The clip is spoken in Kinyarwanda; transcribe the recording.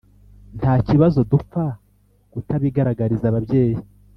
ntakibazo dupfa kutabigaragariza ababyeyi